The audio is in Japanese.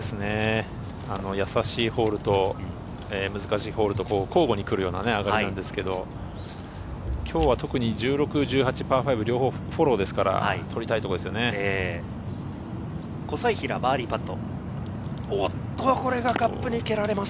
やさしいホールと難しいホールと交互に来るような上がりなんですが、今日は特に１６、１８、パー５、両方フォローですから、取りたい小斉平、バーディーパット。